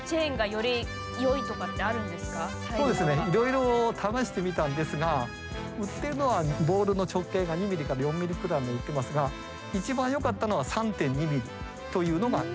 夏目先生いろいろ試してみたんですが売ってるのはボールの直径が２ミリから４ミリくらいの売ってますが一番よかったのは３．２ミリというのが一番よかったですね。